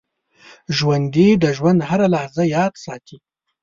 ژوندي د ژوند هره لحظه یاد ساتي